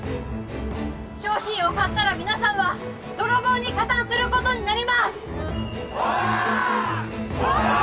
商品を買ったら皆さんは泥棒に加担することになりますそうだー！